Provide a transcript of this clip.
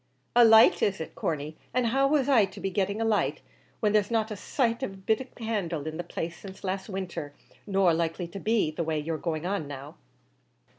"A light is it, Corney; and how was I to be getting a light, when there's not been a sighth of a bit of candle in the place since last winter, nor likely to be the way you're going on now."